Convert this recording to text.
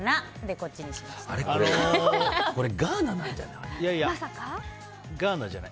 これ、ガーナなんじゃない？